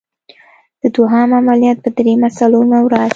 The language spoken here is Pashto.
د دوهم عملیات په دریمه څلورمه ورځ.